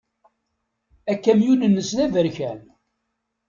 Akamyun-nnes d aberkan.